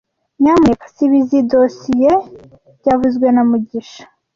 Nyamuneka siba izoi dosizoe byavuzwe na mugisha